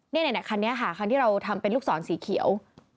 นี่คันนี้ค่ะคันที่เราทำเป็นลูกศรสีเขียว